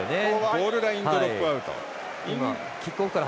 ゴールラインドロップアウト。